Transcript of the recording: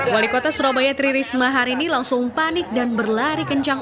wali kota surabaya tri risma hari ini langsung panik dan berlari kencang